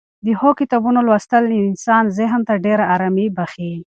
د ښو کتابونو لوستل د انسان ذهن ته ډېره ارامي بښي.